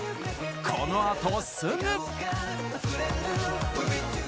このあと、すぐ！